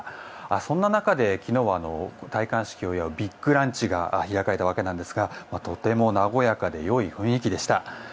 そんな中で昨日は戴冠式後ビッグランチが行われたわけですがとても和やかで良い雰囲気でした。